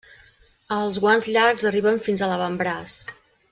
Els guants llargs arriben fins a l'avantbraç.